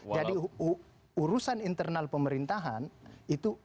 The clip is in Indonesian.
jadi urusan internal pemerintahan itu